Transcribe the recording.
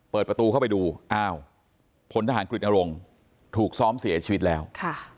เปิดประตูเข้าไปดูอ้าวพลทหารกฤตนรงค์ถูกซ้อมเสียชีวิตแล้ว